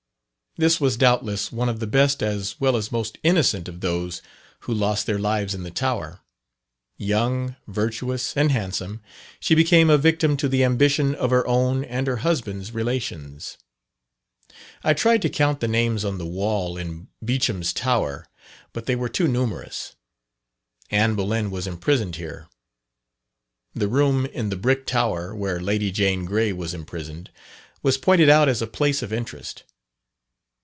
This was doubtless one of the best as well as most innocent of those who lost their lives in the Tower; young, virtuous, and handsome, she became a victim to the ambition of her own and her husband's relations. I tried to count the names on the wall in "Beauchamp's Tower," but they were too numerous. Anne Boleyn was imprisoned here. The room in the "Brick Tower," where Lady Jane Grey was imprisoned, was pointed out as a place of interest.